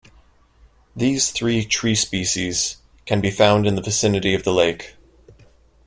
These three tree species can be found in the vicinity of the lake.